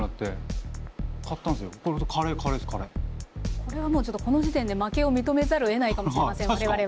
これはもうちょっとこの時点で負けを認めざるをえないかもしれません我々は。